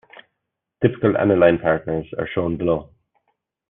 Typical aniline partners are shown below.